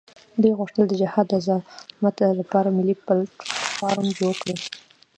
دوی غوښتل د جهاد د زعامت لپاره ملي پلټفارم جوړ کړي.